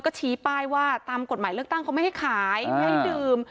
ก็ชี้ป้ายว่าตามกฎหมายเลือกตั้งเขาไม่ให้ขายไม่ให้ดื่ม